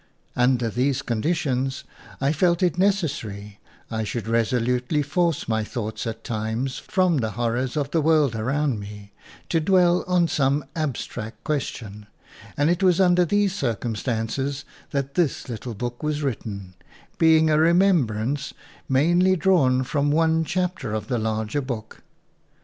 "Under these conditions I felt it nec essary I should resolutely force my thought at times from the horror of the world around me, to dwell on some ab stract question, and it was under these circumstances that this little book was written, being a remembrance mainly drawn from one chapter of the larger book.